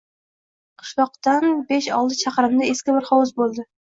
Qishloqtsan besh-olti chaqirimda eski bir hovuz bo‘ldi.